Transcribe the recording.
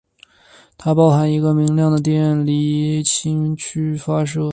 它包含一个明亮的电离氢区发射。